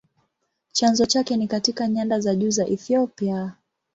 Chanzo chake ni katika nyanda za juu za Ethiopia.